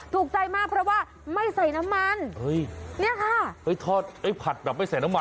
ถูกใจมากเพราะว่าไม่ใส่น้ำมันเฮ้ยเนี่ยค่ะเฮ้ยทอดไอ้ผัดแบบไม่ใส่น้ำมัน